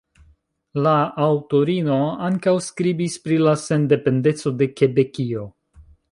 La aŭtorino ankaŭ skribis pri la sendependeco de Kebekio.